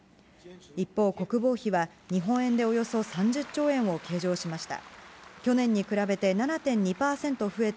一方、国防費は日本円でおよそ３０兆円を計上しました。